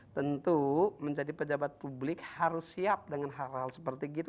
tentu menjadi pejabat publik harus siap dengan hal hal seperti gitu